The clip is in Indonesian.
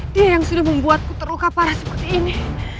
dia yang sudah membuatku terluka parah seperti ini